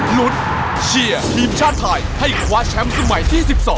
ลุ้นเชียร์ทีมชาติไทยให้คว้าแชมป์สมัยที่๑๒